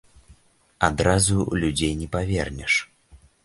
Адразу людзей не павернеш.